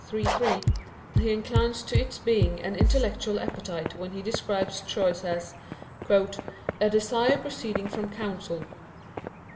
iii, 3) he inclines to its being an intellectual appetite when he describes choice as "a desire proceeding from counsel."